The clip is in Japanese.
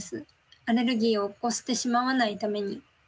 アレルギーを起こしてしまわないために。